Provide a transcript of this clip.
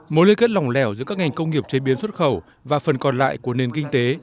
mối liên kết lòng lẻo giữa các ngành công nghiệp chế biến xuất khẩu và phần còn lại của nền kinh tế